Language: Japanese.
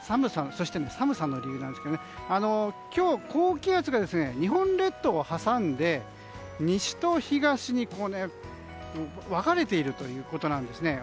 そして、寒さの理由なんですが今日、高気圧が日本列島を挟んで西と東に分かれているんですね。